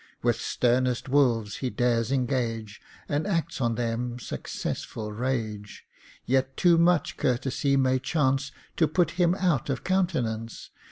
With sternest wolves he dares engage, And acts on them successful rage. Yet too much courtesy may chance To put him out of countenance.